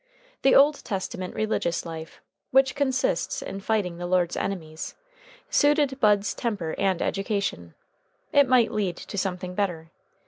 The Old Testament religious life, which consists in fighting the Lord's enemies, suited Bud's temper and education. It might lead to something better.